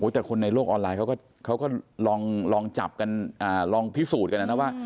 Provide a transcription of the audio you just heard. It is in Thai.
แต่คนในโลกออนไลน์เขาก็ลองจับกันลองพิสูจน์กันนะนะว่า